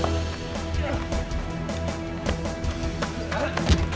aku mau ke kota ini